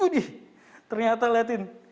waduh ternyata lihatin